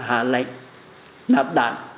hạ lệnh nạp đạn